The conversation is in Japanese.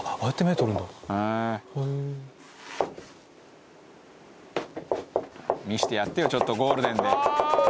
「へえー」「見せてやってよちょっとゴールデンで」